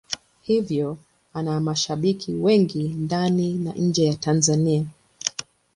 Hivyo ana mashabiki wengi ndani na nje ya Tanzania.